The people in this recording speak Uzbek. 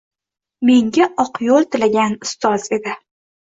Menga oq yo’l tilagan ustoz edi.